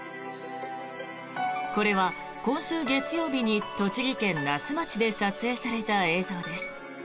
これは今週月曜日に栃木県那須町で撮影された映像です。